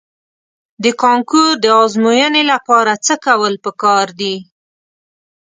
د کانکور د ازموینې لپاره څه کول په کار دي؟